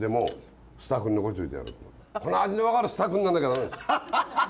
この味の分かるスタッフになんなきゃ駄目です。